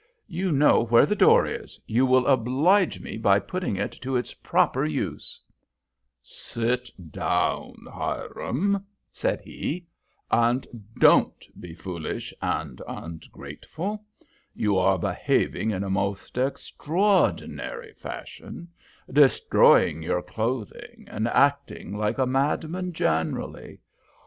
You know where the door is you will oblige me by putting it to its proper use." "Sit down, Hiram," said he, "and don't be foolish and ungrateful. You are behaving in a most extraordinary fashion, destroying your clothing and acting like a madman generally.